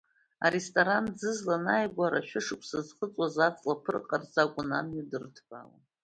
Аресторан Ӡызлан ааигәара шәышықәса зхыҵуаз аҵла ԥырҟарц акәын амҩа дырҭбаауан.